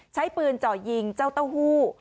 ใช้ปืนเจาะยิงเจ้าเต้าหู้